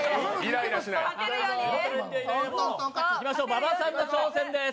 馬場さんの挑戦です。